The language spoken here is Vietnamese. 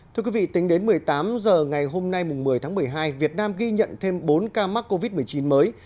thưa quý vị tính đến một mươi tám h ngày hôm nay một mươi tháng một mươi hai việt nam ghi nhận thêm bốn ca mắc covid một mươi chín mới